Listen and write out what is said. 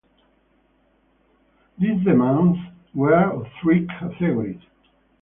These demands were of three categories.